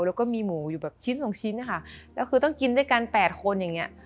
แล้วก็มีหมูอยู่แบบชิ้นสองชิ้นนะคะแล้วคือต้องกินด้วยกันแปดคนอย่างเงี้ย